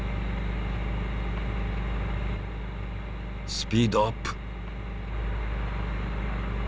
スピードアップ。